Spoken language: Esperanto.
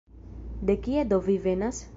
De kie do vi venas?